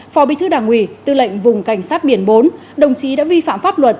phó bí thư đảng ủy tư lệnh vùng cảnh sát biển bốn đồng chí đã vi phạm pháp luật